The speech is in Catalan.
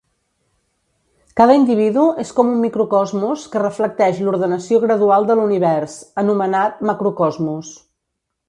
Cada individu és com un microcosmos que reflecteix l'ordenació gradual de l'univers, anomenat macrocosmos.